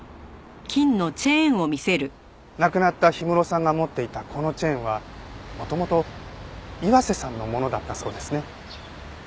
亡くなった氷室さんが持っていたこのチェーンは元々岩瀬さんのものだったそうですね。